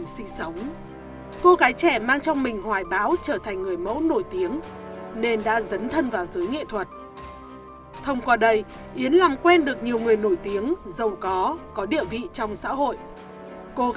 xin chào và hẹn gặp lại trong các video tiếp theo